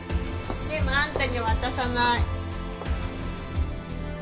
でもあんたに渡さない。